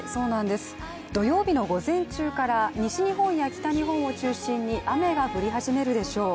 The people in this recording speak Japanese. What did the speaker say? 土曜日の午前中から西日本や北日本を中心に雨が降り始めるでしょう。